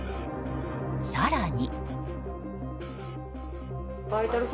更に。